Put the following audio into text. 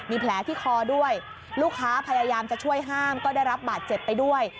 มีแผลที่คอด้วยลูกค้าพยายามจะช่วยห้ามก็ได้รับบาดเจ็บไปด้วย